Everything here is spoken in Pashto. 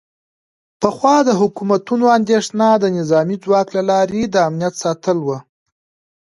پخوا د حکومتونو اندیښنه د نظامي ځواک له لارې د امنیت ساتل و